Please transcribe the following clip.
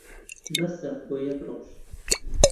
بەسە بۆ یەک ڕۆژ.